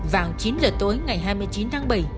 vào chín giờ tối ngày hai mươi chín tháng bảy